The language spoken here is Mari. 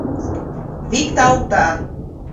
Викталта